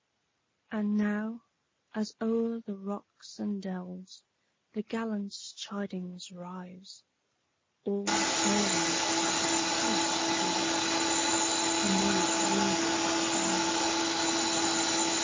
And now, as o'er the rocks and dellsThe gallant chidings rise, All Snowdon's craggy chaos yellsThe many mingled cries!